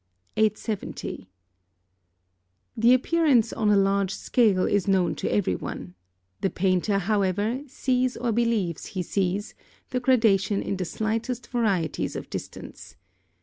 870. The appearance on a large scale is known to every one; the painter, however, sees or believes he sees, the gradation in the slightest varieties of distance.